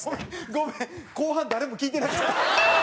ごめん後半誰も聞いてなかった。